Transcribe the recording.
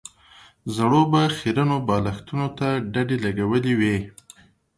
زړو به خيرنو بالښتونو ته ډډې لګولې وې.